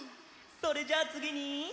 それじゃあつぎに。